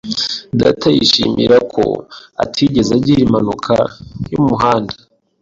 Data yishimira ko atigeze agira impanuka yo mu muhanda.